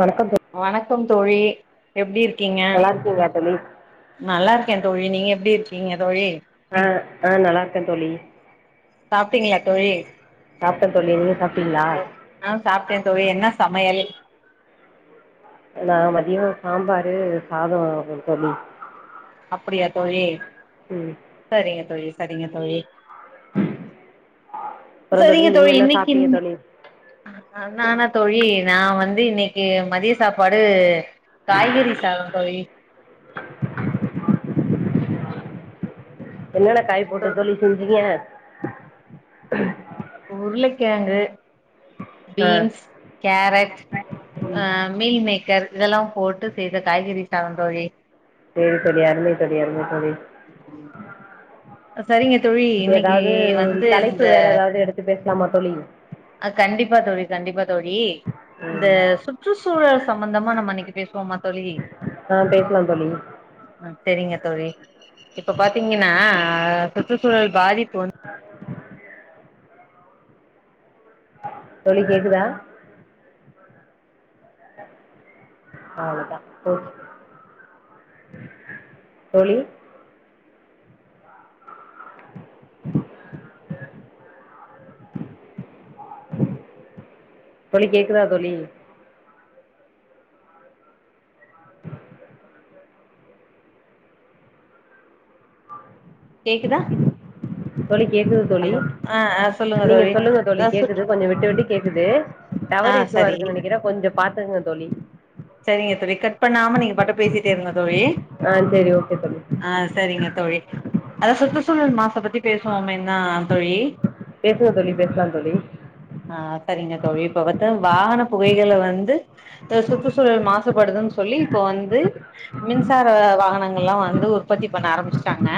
வணக்கம் தோ வணக்கம் தோழி எப்டி இருக்கீங்க நல்லா இருக்கீங்களா தோழி நல்லாருக்கே தோழி நீங்க எப்டி இருக்கீங்க தோழி அ அ நல்லாருக்கே தோழி சாப்ட்டீங்களா தோழி சாப்ட்ட தோழி நீங்க சாப்டீங்ளா அ சாப்ட்டே தோழி என்ன சமையல் நா மதியமா சாம்பாரு சாதோ தோழி அப்படியா தோழி ம் சரிங்க தோழி சரிங்க தோழி அப்புறம் சசரிங்க தோழி நீங்கள் என்ன இன்னைக்கு சாப்பிட்டீங்க தோழி நானா தோழி நா வந்து இன்னைக்கு மதிய சாப்பாடு காய்கறி சாதோ தோழி என்னென்ன காய் போட்டு தோழி செஞ்சீங்க உருளைக்கிழங்கு ஆ பீன்ஸ் கேரட் அ மீல் மேக்கர் இதெல்லா போட்டு செய்த காய்கறி சாதோ தோழி சேரி தோழி அருமை தோழி அருமை தோழி சரிங்க தோழி இன்னைக்கு வந்து இந்த த்தி பேச்லாமா தோழி அ கண்டிப்பா தோழி கண்டிப்பா தோழி இந்த ம் சுற்றுச்சூழல் சம்மந்தமா நம்ப இன்னைக்கு பேச்வோமா தோழி அ பேச்லா தோழி சேரிங்க தோழி இப்ப பாத்திங்கன்னா சுற்றுச்சூழல் பாதிப்பு வந்து தோழி கேக்குதா அவ்ளோதா போ தோழி தோழி கேக்குதா தோழி கேக்குதா தோழி கேக்குது தோழி ஹலோ ஆ ஆ சொல்லுங்க நீங்க தோழி சொல்லுங்க தோழி அதா சுற் கேக்குது கொஞ்ச விட்டு விட்டு கேக்குது ஆ டவர் இஷ்யுவா சரி இருக்குன்னு நெனைக்கிற கொஞ்சோ பாத்துக்கோங்க தோழி சரிங்க தோழி கட் பண்ணாம நீங்க பாட்டு பேசிட்டே இருங்க தோழி ஆ சேரி ஓகே தோழி அ சரிங்க தோழி அத சுற்றுச்சூழல் மாச பத்தி பேசுவோ மேன்தா தோழி பேசுங்க தோழி பேச்லா தோழி அ சரிங்க தோழி இப்ப பாத்தா வாகன புகைகள வந்து சுற்று சூழல் மாசுபடுதுன்னு சொல்லி இப்போ வந்து மின்சார வாகனங்கள்ல்லா வந்து உற்பத்தி பண்ண ஆரம்பிச்ட்டாங்க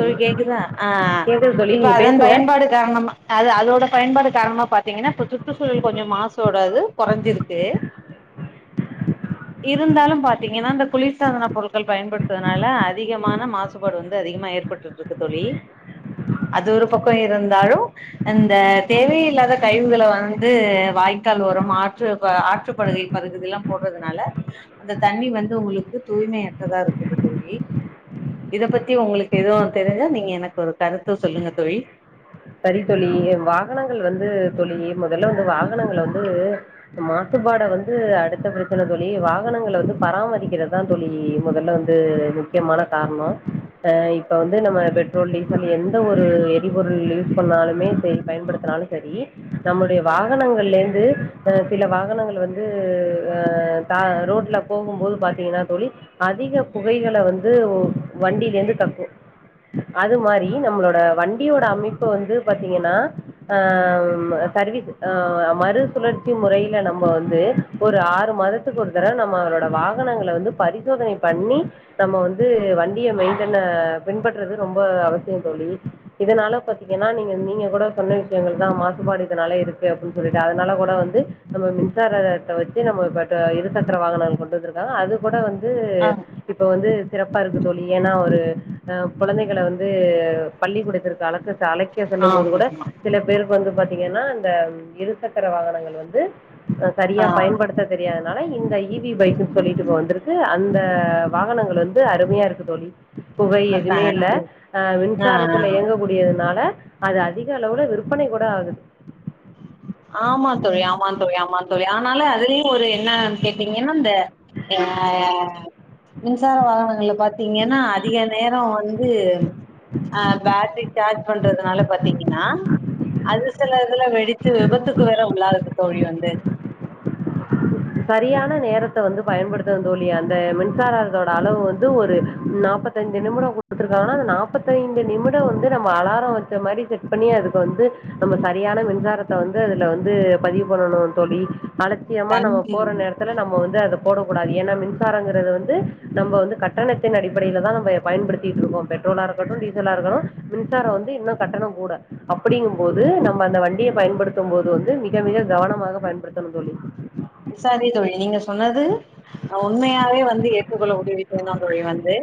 தோழி கேக்குதா அ அ கேக்குது தோழி இப்ப நீங்க அதன் பேசுங்க பயன்பாடு காரணமா அது அதோட பயன்பாடு காரணமா பாத்தீங்கன்னா இப்ப சுற்றுசூழல் கொஞ்சோ மாசு ஓடாது கொறஞ்சிருக்கு இருந்தாலும் பாத்தீங்கன்னா இந்த குளிர்சாதன பொருட்கள் பயன்படுத்துதுனால அதிகமான மாசுபாடு வந்து அதிகமா ஏற்பட்டு [unintelligible] தோழி அது ஒரு பக்கம் இருந்தாலும் அந்த தேவ இல்லாத கழிவுகள வந்து வாய்க்கால் ஓரமா ற்று ப்ப ஆற்றுப்படுகை பதுகுதெல்லாம் போடுறதனால அந்த தண்ணி வந்து உங்களுக்கு தூய்மைையற்றதா இருக்குது தோழி இத பத்தி ஒங்களுக்கு எதுவும் தெரிஞ்சா நீங்க எனக்கு ஒரு கருத்து சொல்லுங்க தோழி சரி தோழி வாகனங்கள் வந்து தோழி முதல்ல வந்து வாகனங்கள வந்து மாசபாடு வந்து அடுத்த பிரச்சன தோழி வாகனங்கள வந்து பராமரிக்கிறதா தோழி முதல்ல வந்து முக்கியமான காரணம் இப்ப வந்து நம்ம பெட் ட்ரோல் டீசல் எந்த ஒரு எரிபொருள் யூஸ் பண்ணாலுமே செரி பயன்படுத்தினாலும் சரி நம்முடைய வாகனங்கள்ல இருந்து சில வாகனங்கள் வந்து அ ரோட்ல போகும்போது பாத்தீங்கன்னா தோழி அதிக புகைகள வந்து வண்டிலயிருந்து கக்கும் அது மாரி நம்மளோட வண்டியோட அமைப்பு வந்து பாத்தீங்கன்னா ஆ சர்விஸ் ஆ மறுசுழற்சி முறையில நம்ம வந்து ஒரு ஆறு மாதத்துக்கு ஒருதட நம்ம அவரோட வாகனங்கள வந்து பரிசோதனை பண்ணி நம்ம வந்து வண்டிய மெயின்டென் பின்பற்றது ரொம்ப அவசியம் தோழி இதனால பாத் ஏன்னா நீங்க நீங்க கூட சொன்ன விஷயங்கள் தா மாசுபாடு இதனால இருக்கு அப்டின்னு சொல்லிட்டு அதனால கூட வந்து நம்ம மின்சாரத்த வச்சு நம்ம இப்ப இருசக்கர வாகனங்கள் கொண்டு வந்து ஆ அது கூட வந்து ஆ இப்போ வந்து சிறப்பா இருக்கு தோழி ஏனா ஒரு அ கொழந்தைகள வந்து பள்ளிிககூடத்து இருக்கு அளக்க அழைக்க சொல்லும் போது கூட ஆமாமா சில பேருக்கு வந்து பாத்தீங்கன்னா இந்த இருசக்கர வாகனங்கள் வந்து ஆ சரியா பயன்படுத்த தெரியாதனால இந்த இவி பைக்ன்னு சொல்லிட்டு இப்ப வந்துருக்கு அது அந்த வாகனங்கள் வந்து அருமையா இருக்கு தோழி புகை அக்கா, எதுவுமே இல்ல அ ஆ ஆ மின்சாரத்துல இயங்கக்கூடியதுனால அத அது அதிக அளவுல விற்பனை கூட ஆகுது ஆமா தோழி ஆமா தோழி ஆமா தோழி ஆனால அதுலயும் ஒரு என்னன்னு கேட்டீங்கன்னா இந்த [unintelligible] மின்சார வாகனங்கள்ல பாத்தீங்கன்னா அதிக நேரம் வந்து ஆ பேட்ரி சார்ஜ் பண்றதுனால பாத்தீங்கன்னா அது செல இதுல வெடி இது விபத்துக்கு வேற உள்ளாதுகு தோழி வந்து சரியான நேரத்த வந்து பயன்படுத்தனு தோழி அந்த மின்சாரத்தோட அளவு வந்து ஒரு நாப்பத் பத்தஞ்சு நிமிடம் கொடுத்துருக்காங்கன்னா நாற்பத்ததைந்து நிமிடம் வந்து நம்ம அலாரம் வச்ச மாதிரி செட் பண்ணி அதுக்கு வந்து நம்ம சரியான மின்சாரத்த வந்து அதுல வந்து பதிவு பண்ணணும் தோழி அலட்சியமா நம்ம தண்ணி பெத்தள நம்ம வந்து அத போடக்கூடாது ஏன்னா மின்சாரங்கிறது வந்து நம்ம வந்து கட்டணத்தின் அடிப்படையில தான் நம்ம எப் பயன்படுத்திட்டு இருக்கோம் பெட்ரோலா இருக்கட்டும் டீசலா இருக்கட்டு மின்சாரம் வந்து இன்னும் கட்டணம் கூட அப்டிங்கும் போது நம்ம அந்த வண்டிய பயன்படுத்தும் போது வந்து மிக மிக கவனமாக பயன்படுத்தணும் தோழி சரி தோழி நீங்க சொன்னது உண்மையாவே வந்து ஏற்றுக்கொள்ள முடிய வீக்கனோ தோ ழி வந்து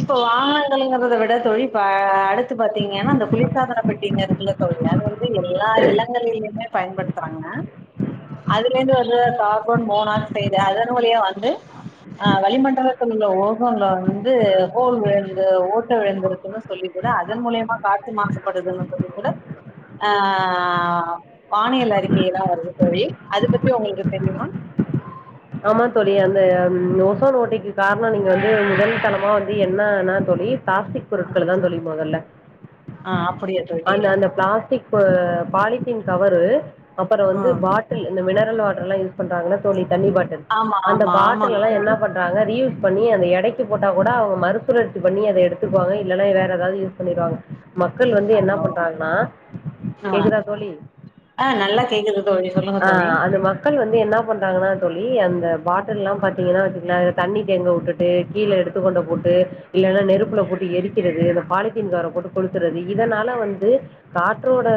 இப்ப வாகனங்கள்ங்கறத விட தோழி இப்ப அடுத்து த் பாத்தீங்கன்னா அந்த குளிர்சாதன பெட்டியினருக்குல தோழி எல்லா இல்லத் ங்களலயுமே பயன்படுத்துறாங்க அதுலிருந்து வந்ததா கார்பன் மோனாக்சைடு அதன் வழியா வந்து ஆ வளிமண்டலத்துல உள்ள ஓசோன்ல வந் து ஹோல் விழுந்து ஓட்ட விழுந்திருக்குன்னு சொல்லி கூட அதன் மூலியமா காத்து மாசுப்படுதுன்னு சொல்லி கூட கூட ஆ வானில அறிக்கையல்லா வருது தோழி அது பத்தி உங்களுக்கு தெரியுமா ஆமா தோழி அந்த ஓசோன் ஓட்டைக்கு காரணோ நீங்க வந்து முதல் தளமா வந்து என்னனா தோழி பிளாஸ்டிக் பொருட்களு தா தோழி மொதல்ல ஆ அப்படியா தோழி அந்த அந்த பிளாஸ்டிக் பு பாலித்தீன் கவரு அப்பறோ வந்து ஆஹ் பாட் டில் இந்த மினரல் வாட்ர்ல்லா யூஸ் பண்றாங்கல்ல தோழி தண்ணி பாட்டில் ஆமா அந்த ஆமா பாட்டில் ஆமாங்க எல்லா தோழி என்ன பண் றாங்க ரியூஸ் பண்ணி அந்த எடைக்கு போட்டா கூட அவுங்க மறுசுழற்சி பண்ணி அத எடுத்துக்வாங்க இல்லனா வேற எதாவ்து யூஸ் பண்ணீர்வாங்க மக்கள் வந்து ஆ என்னா பண்றாங்னா ஆ கேக்குதா தோழி ஆ நல்லா கேக்குது தோழி சொல்லுங்க ஆ தோழி அந்த மக்கள் வந்து என்ன பண்றாங்கனா தோழி அந்த பாட்டில்லா பாத்தீங்கன்னா வெச்சுக்ங்ளே தண்ணி தேங்க வுட்டுட்டு கீழ எடுத்து கொண்டு போட்டு இல்லனா நெருப்புல போட்டு எரிக்கிறது இந்த பாலித்தீன் கவர போட்டு கொளுத்தறது இதனால வந்து காற்றோட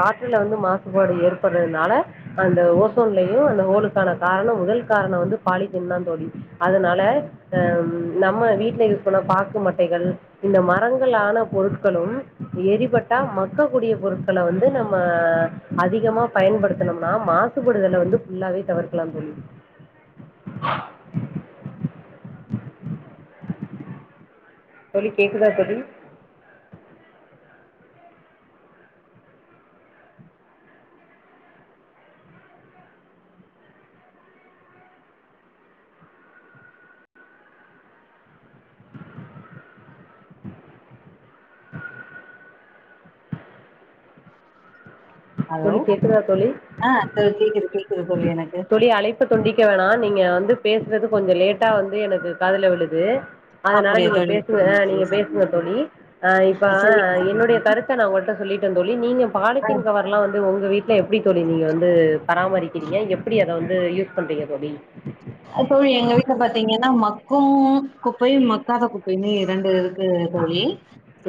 காற்றுல வந்து மாசுபாடு ஏற்பட்றதுனால அந்த ஓசோன்லேயு அந்த ஹோலுக் கான காரணோ முதல் காரணோ வந்து பாலித்தீன் தா தோழி அதுனால இந்த நம்ம வீட்ல யூஸ் பண்ண பாக்கு மட்டைகள் இந்த மரங்களான பொருட்களும் எரிபட்டா மக்கக்கூடிய பொருட்கள வந்து நம்ம அதிகமா பயன்படுத்துனம்னா மாசுபடுதல வந்து ஃபுல்லாவே தவிர்க் கலாம் தோழி தோழி கேக்குதா தோழி அலோ தோழி கேக்குதா தோழி? ஆ தோழ் கேக்குது கேக்குது தோழி எனக்கு தோழி அழைப்ப துண்டிக்க வேணா நீங்க வந்து பேஸ்றது கொஞ்சோ லேட்டா வந்து எனக்கு காதுல விழுது அதுனால அப்படியா நீங்க தோழி பேசுங்க ஆ சரிங்க தோழி நீங்க சரிங்க பேசுங்க தோழி ஆ இப்ப சரிங்க தோழி என்னுடைய கருத் த நா உங்கிட்ட சொல்லிட்டே தோழி நீங்க பாலித்தீன் கவர்லா வந்து உங்க வீட்ல எப்டி தோழி நீங்க வந் து பராமரிக்கிறீங்க எப்பிடி அத வந்து யூஸ் பண்றீங்க தோழி அ தோழி எங்க வீட்ல பாத்தீங்கன்னா மக்கும் குப்பையு மக்காத குப்பையுமே ரெண்டு இரு க்கு தோழி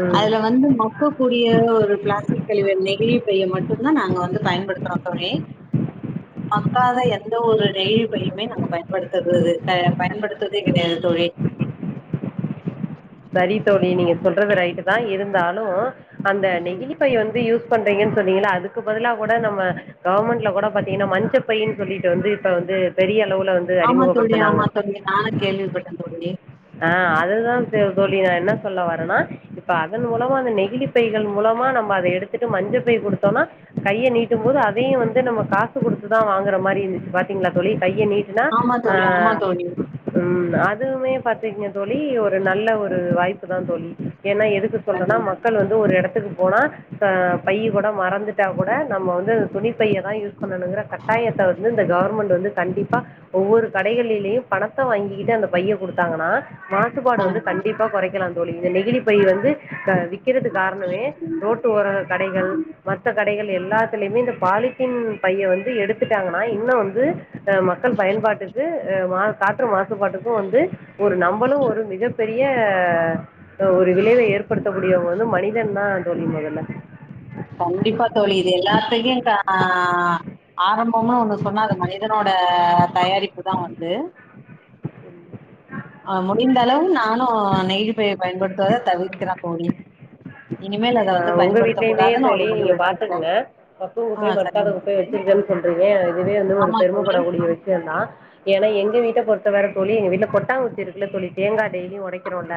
ம் அதுல வந்து மக் க கூடிய ஒரு பிளாஸ்டிக் கழிவு நெகிழிப்பைய மட்டுந்தா நாங்க வந்து பயன்படுத்றோ தோழி மக்காத எந்த ஒரு நெகிழிப்பையுமே நாங்க பயன்படுத்தருது அ பயன்படுத்துறதே கெடையாது தோழி சரி தோழி நீங்க சொல்றது ரைட்டு தா இருந்தாலு அந்த ம். நெகிழிப்பை வந்து யூஸ் பண்றீங்கன் சொன்னீங்கல்ல அதுக்கு பதிலா கூட நம்ம கவ்ர்மெண்ட்ல கூட பாத்தீங்கன்னா மஞ்சப்பையின் சொல்லீட்டு வந்து இப்ப வந்து பெரிய அளவுல வந் ஆமா தோழி ஆமா தோழி நானு கேள்விப்பட்டே தோழி ஆ அதுதா த தோழி நா என்ன சொல்ல வரன்னா இப்ப அதன் ம். மூலமா இந்த நெகழிப் பைகள் மூலமா நம்ம அத எடுத்துட்டு மஞ்சப்பை தோன்னா கைய நீட்டும் போது அதையு வந்து நம்ம காசு குடுத்துதா வாங்கற மாரி இருந்துச்சு பாத்தீங்ளா தோழி கைய நீட் டுனா ஆமா அ தோழி, ஆமா தோழி. ம் அதுமே பாத்துக்ங்க தோழி ஒரு நல்ல ஒரு வாய்ப்பு தா தோழி ஏனா எதுக்கு கண் சொல்றனா மக்கள் வந்து ஒரு எடத்துக்கு போனா அ பையி கூட மறந்துட்டா கூட நம்ம வந்து துணி பைய தா யூஸ் பண்ணனுங்கிற கட்டாயத்த வந்து இந்த கவர்மெண்ட் வந்து கண்டிப்பா ஒவ்வொரு கடைகள்ளிலேயு பணத்த வாங்கிகிட்டு அந்த பைய குடுத்தாங்கனா மாசுபாடு ஆ. வந்து கண் கண்டிப்பா கொறைக்கலா தோழி இந்த நெகழி பை வந்து த விக்கிறது காரணமே ரோட்டு ஓர கடைகள் மத்த கடைகள் எல்லாத்துலயுமே இந்த பாலித்தீன் பைய வந்து எடுத்துட்டாங்கன்னா இன்னு வந்து அ மக்கள் பயன்பாட்டுக்கு அ வாங் காற்று மாசுபாட்டுக்கு வந்து ஒரு நம்மளு ஒரு மிகப் பெரிய ஒரு விளைவ ஏற்படுத்த கூடியவங்க வந்து மனிதன் தா தோழி மொதல்ல கண்டிப்பா தோழி இது எல்லாதையு கா ஆரம்பனு ஒன்னு சொன்னா அது மனிதனோட தயாரிப்புதா வந்து ஆ முடிந்தளவு நானு நெகிழிப்பைய பயன்படுத்துவத தவிர்கிற தோழி இனிமேல் அத வந்து பயன்படுத்த இனிமே தோழி நீங்க பாத்துக் ங்க மக்குங் ஆ குப்பை மக்காத சரிங்க தோழி. குப்பை வச்சிருக்கேன் சொல்றீங்க இதுவே வந்து ஒரு ஆமா தோழி. பெருமப்படக்கூடிய விஷயந்தா ஏனா எங்க வீட்ட பொறுத்த வர தோழி எங்க வீட்ல கொட்டாங்குச்சி இருக்குல தோழி தேங்காய் டெய்லியும் உடைக்கிறோல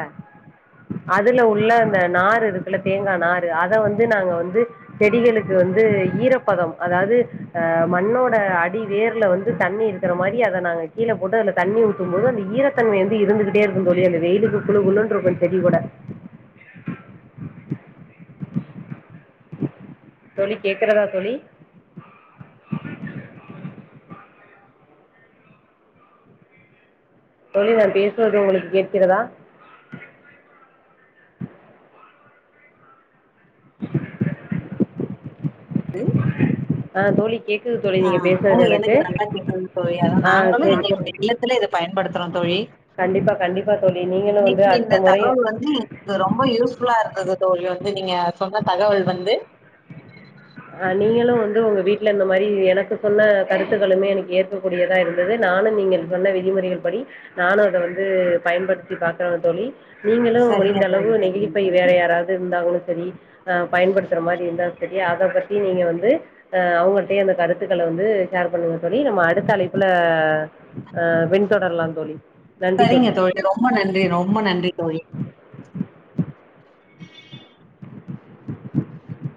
அதுல உள்ள அந்த நாறு இருக்குல்ல தேங்கா நாறு அத வந்து நாங்க வந்து செடிகளுக்கு வந்து ஈரப்பதம் அதாவது ஆ மண்ணோட அடி வேர்ல வந்து தண்ணீர் மாதிரி அத நாங்க கீழ போட்டு தண்ணி ஊத்தும் போது அந்த ஈரத்தன்மை வந்து இருந்துகிட்டே இருக்கு தோழி அந்த வெயிலுக்கு குலுகுலுண்ட்ருக்கு செடி கொட தோழி கேக்கறதா தோழி தோழி நா பேசுவது உங்களுக்கு கேட்கிறதா ஆ தோழி கேக் ஆ ஆ எனக்கு நல்லா கேக்குதுங் தோழி அதா ஆ நாங்களு செரி எங்களுடைய இல்லத்துல இத பயன்படுத்துறோ தோழி கண்டிப்பா கண்டிப்பா தோழி நீங்களு வந்து இன்னைக்கு இந்த அடுத்த முறை தகவல் வந்து ரொம்ப யூஸ்புல்லா இருந்துது தோழி வந்து நீங்க சொன்ன தகவல் வந்து அ நீங்களு வந்து உங்க வீட்ல இந்த மாரி எனக்கு சொன்ன கருத்துக்களுமே எனக் ஏத்து கூடியதா இருந்தது நானு நீங்க சொன்ன விதிமுறைகள் படி நானு அத வந்து பயன்படுத்தி பாக்குறே தோழி நீங்களு சரிங்க முடிந்த தோழி, அளவு சரிங்க நெகிழிப்பை தோழி. வேற யாராவது இருந்தாங்களு சரி ஆ பயன்படுத்துற மாரி இருந்தா சரியா அத பத்தி நீங்க வந்து அ அவங்கிட்டேயோ அந்த கருத்துக்கள வந்து ஷேர் பண்ணுங்க தோழி நம்ம அடுத்த அழைப்புல அ வெண்தொடர்லா தோழி நன்றி தோழி ரொம்ப நன்றி ரொம்ப நன்றி தோழி